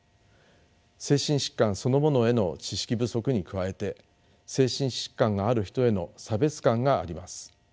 精神疾患そのものへの知識不足に加えて精神疾患がある人への差別感があります。